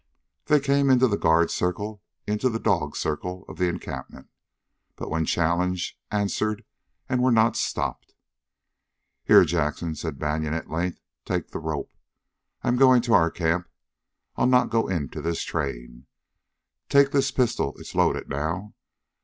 They came into the guard circle, into the dog circle of the encampment; but when challenged answered, and were not stopped. "Here, Jackson," said Banion at length, "take the rope. I'm going to our camp. I'll not go into this train. Take this pistol it's loaded now.